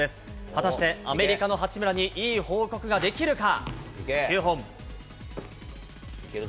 果たしてアメリカの八村にいい報告ができるか。